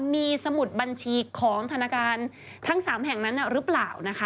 มีสมุดบัญชีของธนาคารทั้ง๓แห่งนั้นหรือเปล่านะคะ